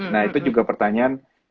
nah itu juga pertanyaan